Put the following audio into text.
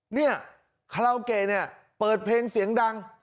เนี่ยขลาวเกย์เนี่ยเปิดเพลงเสียงดัง